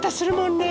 ねえ。